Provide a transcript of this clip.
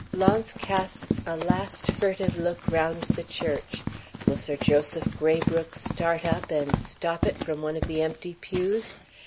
Launce casts a last furtive look round the church. Will Sir Joseph Graybrooke start up and stop it from one of the empty pews?